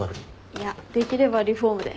いやできればリフォームで。